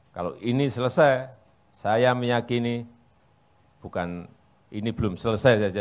kalau ini selesai saya meyakini bukan ini belum selesai saja